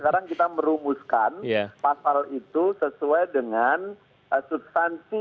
sekarang kita merumuskan pasal itu sesuai dengan substansi